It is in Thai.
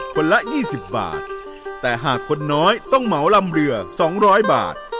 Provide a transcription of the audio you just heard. คนละยี่สิบบาทแต่หากคนน้อยต้องเหมาลำเรือสองร้อยบาท